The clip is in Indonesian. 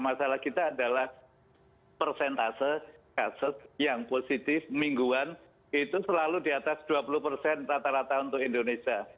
masalah kita adalah persentase kasus yang positif mingguan itu selalu di atas dua puluh persen rata rata untuk indonesia